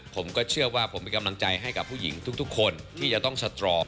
ผมก็เชื่อว่าผมเป็นกำลังใจให้กับผู้หญิงทุกคนที่จะต้องสตรอป